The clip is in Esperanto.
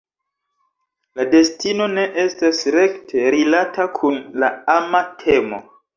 La destino ne estas rekte rilata kun la ama temo.